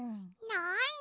なに？